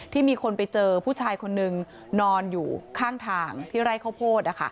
มีคนไปเจอผู้ชายคนนึงนอนอยู่ข้างทางที่ไร่ข้าวโพด